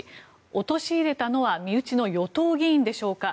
陥れたのは身内の与党議員でしょうか。